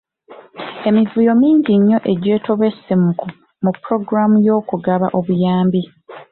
Emivuyo mingi nnyo egyetobese mu pulogulaamu y’okugaba obuyambi.